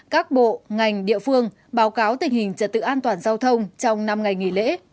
các bộ ngành địa phương báo cáo tình hình trật tự an toàn giao thông trong năm ngày nghỉ lễ